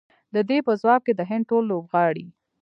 د دې په ځواب کې د هند ټول لوبغاړي